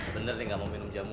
bener nih gak mau minum jamu